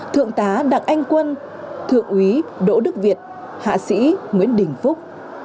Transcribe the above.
thượng tá đặng anh quân thượng úy đỗ đức việt hạ sĩ nguyễn đình phúc